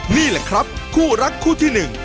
นี่แหละครับคู่รักคู่ที่หนึ่ง